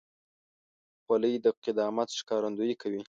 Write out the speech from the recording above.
خولۍ د قدامت ښکارندویي کوي.